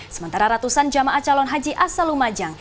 sementara ratusan jamaat calon haji asalumajang